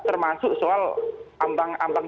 termasuk soal ambang ambang